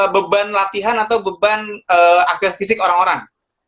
beban latihan atau beban aktifisik orang orang